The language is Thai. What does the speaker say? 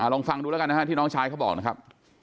ลองฟังดูแล้วกันนะฮะที่น้องชายเขาบอกนะครับ